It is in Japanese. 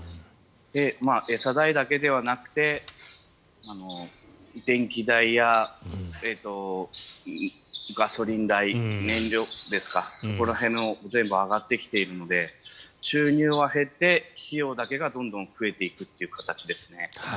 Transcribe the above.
餌代だけではなくて電気代やガソリン代燃料ですか、そこら辺も全部上がってきているので収入は減って、費用だけがどんどん増えていくという形ですね。